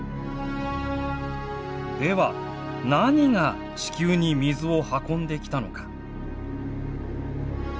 では何が地球に水を運んで来たのか？